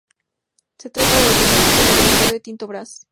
Se trata del debut como director de Tinto Brass.